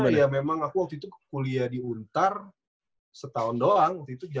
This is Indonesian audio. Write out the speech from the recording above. karena ya memang aku waktu itu kuliah di untar setahun doang